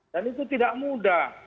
dan itu tidak mudah